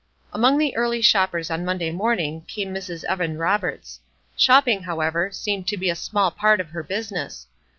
Among the early shoppers on Monday morning came Mrs. Evan Roberts. Shopping, however, seemed to be a small part of her business.